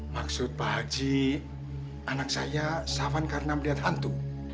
maksud pak ji anak saya sahawan karena melihat hantu